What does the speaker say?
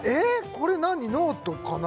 これ何ノートかな？